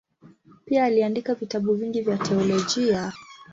Pia aliandika vitabu vingi vya teolojia.